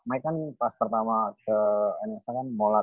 si mike kan pas pertama ke aniesa kan bola dua